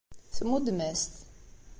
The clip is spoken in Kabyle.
Tmuddem-as-t.